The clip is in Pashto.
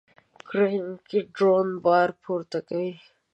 کرینګ درون بار پورته کوي.